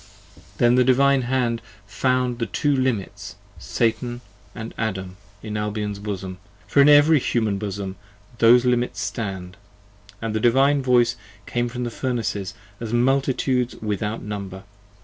39 p. 35 THEN the Divine hand found the Two Limits, Satan and Adam, In Albion's bosom; for in every Human bosom those Limits stand. And the Divine voice came from the Furnaces, as multitudes without Number!